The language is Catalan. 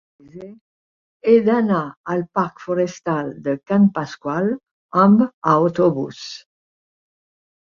He d'anar al parc Forestal de Can Pasqual amb autobús.